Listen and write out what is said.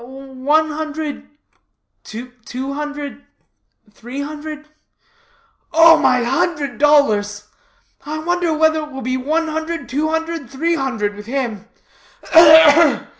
"One hundred two hundred three hundred " "Oh, my hundred dollars! I wonder whether it will be one hundred, two hundred, three hundred, with them!